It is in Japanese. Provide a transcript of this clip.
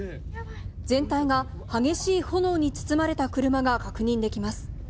全体が激しい炎に包まれた車が確認できます。